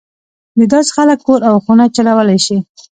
دداسې خلک کور او خونه چلولای شي.